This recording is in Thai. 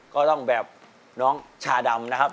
ก็ต้องแบบน้องชาดำนะครับ